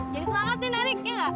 jadi semangatin ari ya nggak